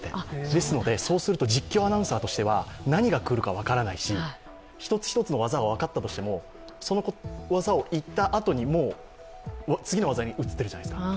ですので、そうすると実況アナウンサーとしては何が来るか分からないし一つ一つの技は分かったとしてもその技をいったあとに、もう次の技に移ってるじゃないですか。